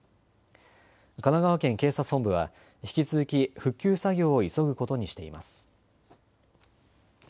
神奈川県警察本部は引き続き復旧作業を急ぐことにしています。